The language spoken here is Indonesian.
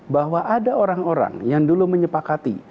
bahwa ada orang orang yang dulu menyepakati